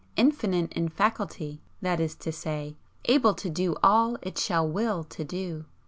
'Infinite in faculty' that is to say Able to do all it shall WILL to do.